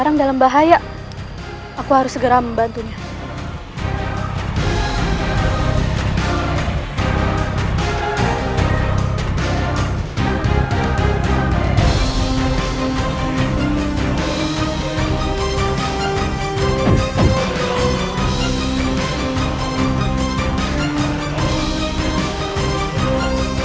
kanda tidak bisa menghadapi rai kenterimanik